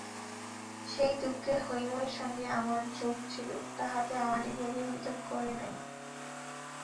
সেই দুঃখে হৈমর সঙ্গে আমার যোগ ছিল, তাহাতে আমাদিগকে পৃথক করে নাই।